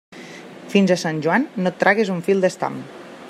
Fins a Sant Joan, no et tragues un fil d'estam.